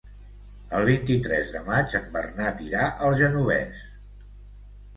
El vint-i-tres de maig en Bernat irà al Genovés.